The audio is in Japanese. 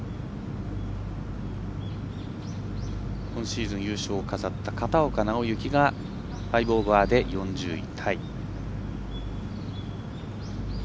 今シーズン、優勝を飾った片岡が５オーバーで４０位タイ。